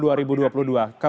mas adi terlebih dahulu